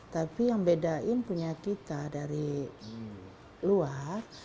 tapi yang bedain punya kita dari luar